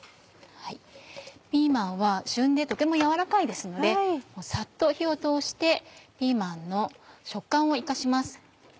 ピーマンは旬でとても柔らかいですのでさっと火を通してピーマンの食感を生かします。